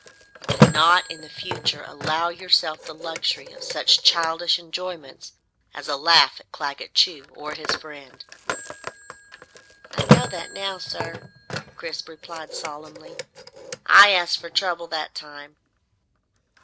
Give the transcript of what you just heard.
You cannot in the future allow yourself the luxury of such childish enjoyments as a laugh at Claggett Chew, or his friend!" "I know that now sir," Chris replied solemnly. "I asked for trouble that time."